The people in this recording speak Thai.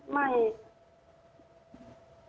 ไม่ค่ะ